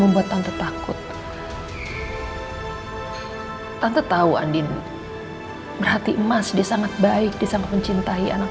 membuat tante takut tante tahu andina hati emas dia sangat baik dia sangat mencintai anak